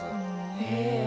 へえ。